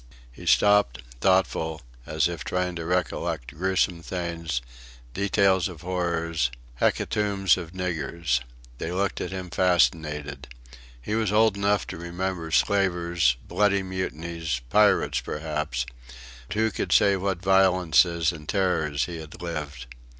He stopped, thoughtful, as if trying to recollect gruesome things, details of horrors, hecatombs of niggers. They looked at him fascinated. He was old enough to remember slavers, bloody mutinies, pirates perhaps; who could tell through what violences and terrors he had lived!